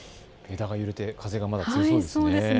枝が揺れてまだ風が強そうですね。